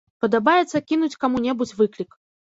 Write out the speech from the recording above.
Падабаецца кінуць каму-небудзь выклік.